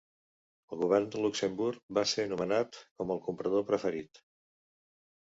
El Govern de Luxemburg va ser nomenat com el comprador preferit.